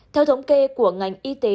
theo thống kê của ngành y tế